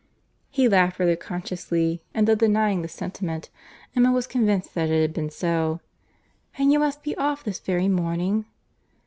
He laughed rather consciously; and though denying the sentiment, Emma was convinced that it had been so. "And you must be off this very morning?"